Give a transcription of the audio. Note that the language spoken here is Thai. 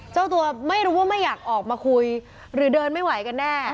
เจ้าตัวไม่รู้ว่าไม่อยากออกมาคุยหรือเดินไม่ไหวกันแน่